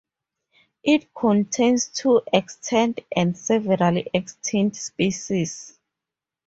It contains two extant and several extinct species.